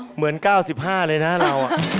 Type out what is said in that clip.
เหมือนก้าวสิบห้าเลยนะเรา